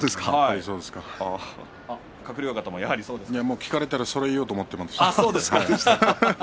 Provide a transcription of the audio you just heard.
聞かれたらそれを言おうと思っていました。